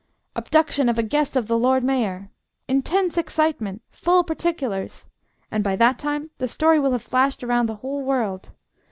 'Abduction of a Guest of the Lord Mayor.' 'Intense Excitement.' 'Full Particulars!' And by that time the story will have flashed round the whole world.